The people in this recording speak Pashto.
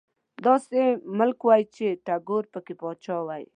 داسې ملک وای چې ټيګور پکې پاچا وای